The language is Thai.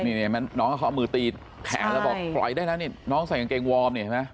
นี่น้องเขาเอามือตีแขนแล้วบอกปล่อยได้แล้วนี่น้องใส่กางเกงวอร์มเนี่ยเห็นไหม